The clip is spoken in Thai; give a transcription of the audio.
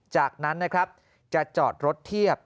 จากนั้นจะจอดรถเทียบ